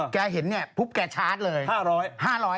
แกเห็นเนี่ยปุ๊บแกชาร์จเลย